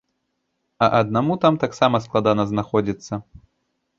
А аднаму там таксама складана знаходзіцца.